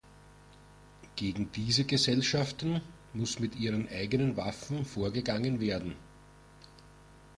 Gegen diese Gesellschaften muss mit ihren eigenen Waffen vorgegangen werden.